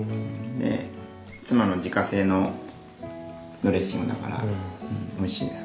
で妻の自家製のドレッシングだからおいしいです。